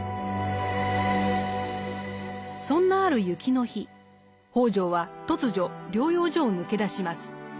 そんなある雪の日北條は突如療養所を抜け出します。